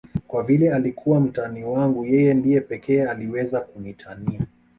Kwa vile alikuwa mtani wangu yeye ndiye pekee aliyeweza kunitania